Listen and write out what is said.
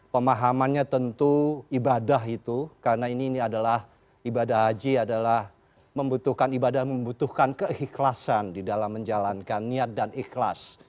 pemahamannya tentu ibadah itu karena ini adalah ibadah haji adalah ibadah membutuhkan keikhlasan di dalam menjalankan niat dan ikhlas